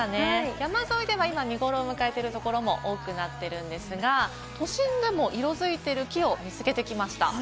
山沿いでは見頃を迎えているところも多くなっているんですが、都心でも色づいている木を見つけてきました。